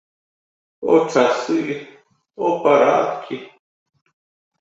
О, часы, о, парадкі!